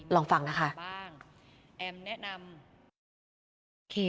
ลองฟังนะคะ